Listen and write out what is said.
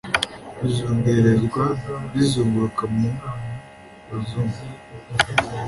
Bizungerezwa bizunguruka mu bazungu